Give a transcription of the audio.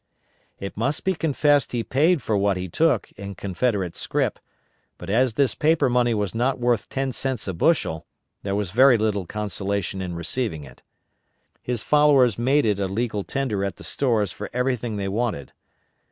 It must be confessed he paid for what he took in Confederate scrip, but as this paper money was not worth ten cents a bushel, there was very little consolation in receiving it. His followers made it a legal tender at the stores for everything they wanted.